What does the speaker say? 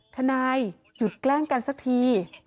ทนายหยุดแกล้งกันสักที